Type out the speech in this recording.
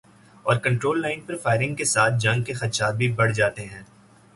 Over control line پر firing کے ساتھ جنگ کے خدشات بھی بڑھ جاتے ہیں۔